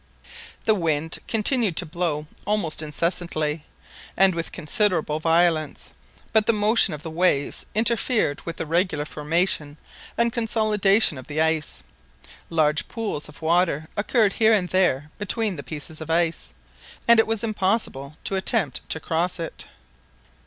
The wind continued to blow almost incessantly, and with considerable violence, but the motion of waves interfered with the regular formation and consolidation of the ice. Large pools of water occurred here and there between the pieces of ice, and it was impossible to attempt to cross it.